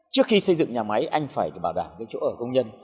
trước khi xây dựng nhà máy anh phải bảo đảm cái chỗ ở công nhân